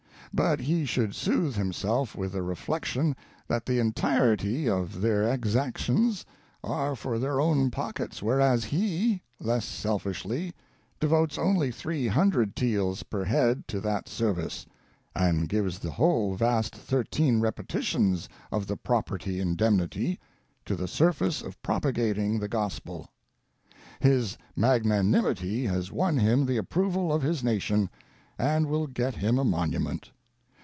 But he should soothe himself with the reflection that the entirety of their exactions are for their own pockets, whereas he, less selfishly, devotes only 300 taels per head to that service, and gives the whole vast thirteen repetitions of the property indemnity to the service of propagating the Gos pel. His magnanimity has won him the approval of his nation, and will get him a monument.